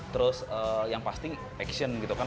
terus yang pasti action